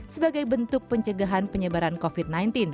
sebagai bentuk pencegahan penyebaran covid sembilan belas